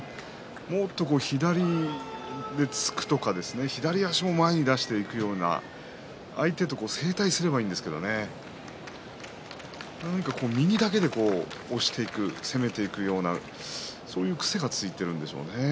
もっと左で突くとか左足も前に出していくような相手と正対すればいいんですけどね何か右だけで押していく攻めていくようなそういう癖がついているんでしょうね。